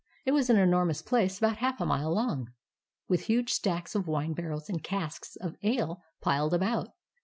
It was an enormous place about half a mile long, with huge stacks of wine barrels and casks of ale piled about.